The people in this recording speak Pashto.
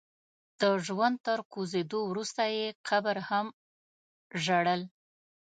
د ژوند تر کوزېدو وروسته يې قبر هم ژړل.